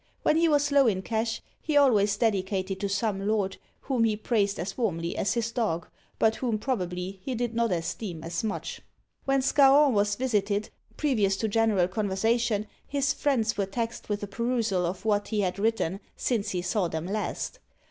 When he was low in cash he always dedicated to some lord, whom he praised as warmly as his dog, but whom probably he did not esteem as much. When Scarron was visited, previous to general conversation his friends were taxed with a perusal of what he had written since he saw them last.